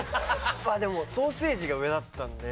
でもソーセージが上だったので。